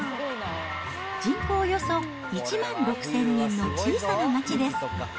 人口およそ１万６０００人の小さな町です。